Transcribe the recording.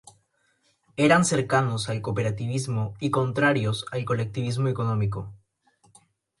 Eran cercanos al cooperativismo y contrarios al colectivismo económico.